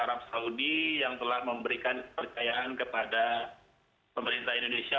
arab saudi yang telah memberikan kepercayaan kepada pemerintah indonesia